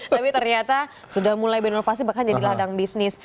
tapi ternyata sudah mulai berinovasi bahkan jadi ladang bisnis